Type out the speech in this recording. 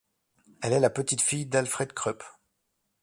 Elle est la petite-fille d'Alfred Krupp.